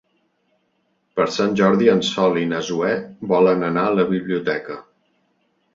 Per Sant Jordi en Sol i na Zoè volen anar a la biblioteca.